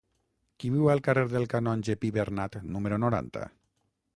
Qui viu al carrer del Canonge Pibernat número noranta?